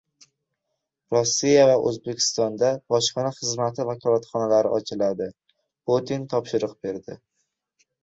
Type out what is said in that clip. Rossiya va O‘zbekistonda bojxona xizmati vakolatxonalari ochiladi - Putin topshiriq berdi